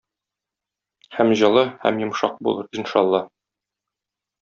Һәм җылы, һәм йомшак булыр, иншалла.